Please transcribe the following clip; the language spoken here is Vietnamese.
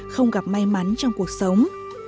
không gặp may mắn trong cuộc sống